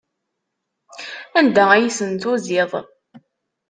Anda ay ten-tuziḍ?